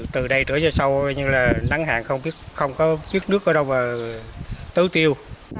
từ đây trở ra sau nhưng là nắng hàng không biết nước ở đâu mà tứ tiêu